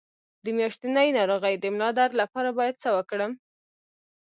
د میاشتنۍ ناروغۍ د ملا درد لپاره باید څه وکړم؟